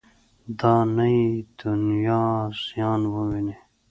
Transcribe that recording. دا نه یې دنیا زیان وویني.